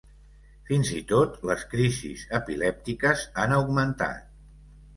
Fins i tot les crisis epilèptiques han augmentat.